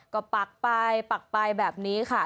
ก็ปักไปปักไปแบบนี้ค่ะ